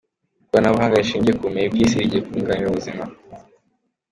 Ikoranabuhanga rishingiye ku bumenyi bw’isi rigiye kunganira ubuzima